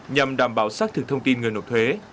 nhằm đảm bảo xác thực thông tin người nộp thuế